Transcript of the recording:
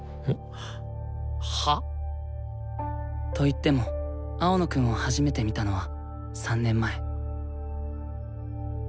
は？と言っても青野くんを初めて見たのは３年前。